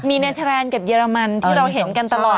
มีในแทรนกับเยอรมันที่เราเห็นกันตลอดนะ